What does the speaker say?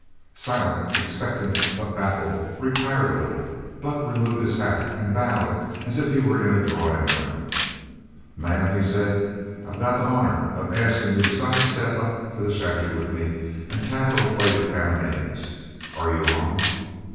Silent, expectant but baffled, retired a little. Buck removed his hat and bowed as if he were in a drawing room. "Ma'am," he said, "I got the honour of askin' you to side step up to the shanty with me an' tackle a plate of ham an' eggs. Are you on?"